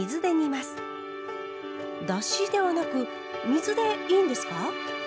だしではなく水でいいんですか？